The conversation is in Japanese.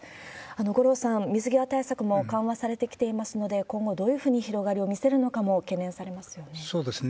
五郎さん、水際対策も緩和されてきていますので、今後、どういうふうに広がりを見せるのかも懸念されますよね。